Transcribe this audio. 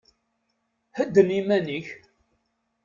Hedden iman-ik!